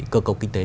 cơ cầu kinh tế